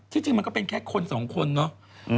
จริงมันก็เป็นแค่คนสองคนเนาะ